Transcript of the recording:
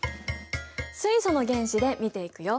水素の原子で見ていくよ。